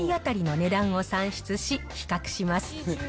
味付けのり１枚当たりの値段を算出し、比較します。